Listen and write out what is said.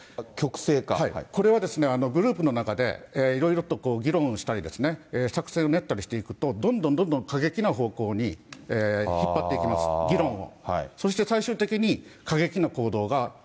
集団極性化、これはグループの中で、いろいろと議論をしたり、作戦を練ったりしていくと、どんどんどんどん過激な方向に引っ張っていきます、議論を。